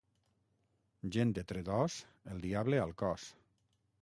Gent de Tredòs, el diable al cos.